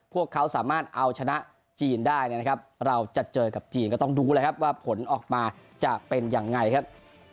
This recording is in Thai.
พวกเขาสามารถเอาชนะจีนได้นะครับเราจะเจอกับจีนก็ต้องดูแล้วครับว่าผลออกมาจะเป็นยังไงครับ